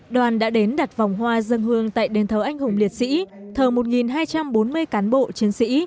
đoàn đã đến đặt vòng hoa dân hương tại đền thờ anh hùng liệt sĩ thờ một hai trăm bốn mươi cán bộ chiến sĩ